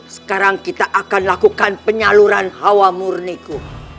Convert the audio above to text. sekarang kita akan lakukan penyaluran hawa murniku